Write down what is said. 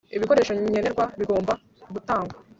ibikoresho nkenerwa bigomba gutangwa